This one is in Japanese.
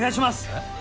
えっ？